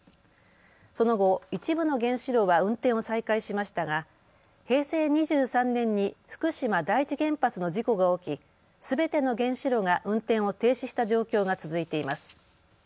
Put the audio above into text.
その後、一部の原子炉は運転を再開しましたが平成２３年に福島第一原発の事故が起きすべての原子炉が運転を停止した状況が続いています。